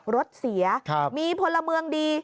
รถเสียมีพลเมืองดี